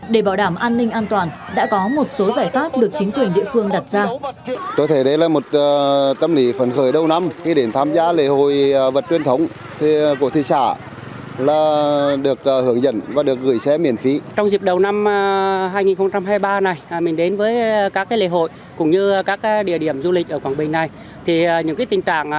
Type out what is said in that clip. để bảo đảm an ninh an toàn đã có một số giải pháp được chính quyền địa phương đặt ra